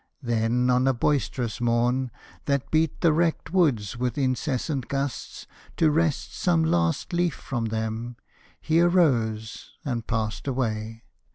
Then, on a boisterous morn That beat the wrecked woods with incessant gusts To wrest some last leaf from them, he arose And passed away.